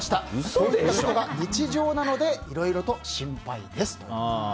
そういうことが日常なのでいろいろと心配です。